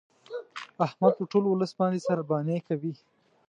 احمد په ټول ولس باندې سارباني کوي.